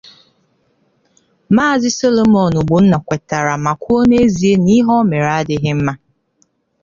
Maazị Solomon Ogbonna kwetara ma kwuo n'ezie na ihe o mere adịghị mma